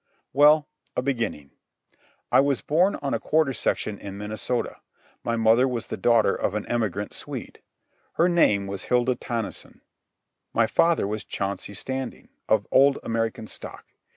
Well, a beginning. I was born on a quarter section in Minnesota. My mother was the daughter of an immigrant Swede. Her name was Hilda Tonnesson. My father was Chauncey Standing, of old American stock.